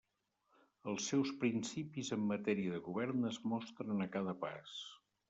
Els seus principis en matèria de govern es mostren a cada pas.